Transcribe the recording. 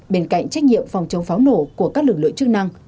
bên cạnh trách nhiệm phòng chống pháo nổ của các lực lượng chức năng